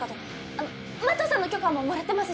あの麻藤さんの許可ももらってますし。